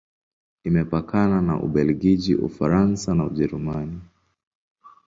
Imepakana na Ubelgiji, Ufaransa na Ujerumani.